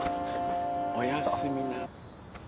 おやすみな。